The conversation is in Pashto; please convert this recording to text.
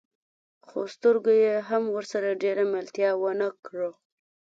خو سترګو يې هم ورسره ډېره ملتيا ونه کړه.